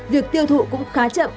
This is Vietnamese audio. việc tiêu thụ cũng khá chậm